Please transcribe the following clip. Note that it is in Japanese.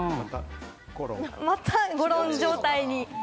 またゴロン状態に。